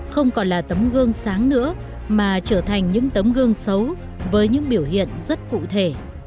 không còn là tấm gương sáng nữa mà trở thành những tấm gương xấu với những biểu hiện rất cụ thể